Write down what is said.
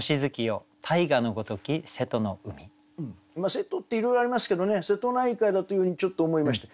「瀬戸」っていろいろありますけどね瀬戸内海だというふうにちょっと思いました。